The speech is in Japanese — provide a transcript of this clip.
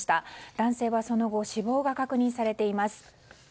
男性はその後死亡が確認されています。